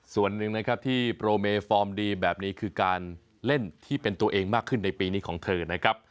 ส่วนหนึ่งนะครับที่โปรเมฟอร์มดีแบบนี้คือการเล่นที่เป็นตัวเองมากขึ้นในปีนี้ของเธอนะครับ